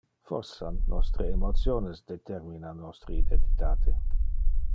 Forsan nostre emotiones determina nostre identitate.